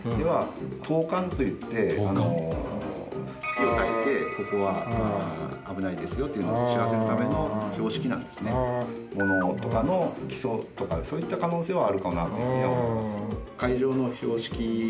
火をたいてここは危ないですよというのを知らせるための標識なんですね。とかの基礎とかそういった可能性はあるかなというふうには思います。